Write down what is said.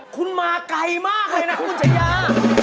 คุณมาไกลมากเลยนะคุณชายา